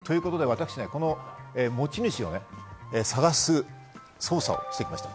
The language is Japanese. ということで、私、この持ち主を探す捜査をしてきました。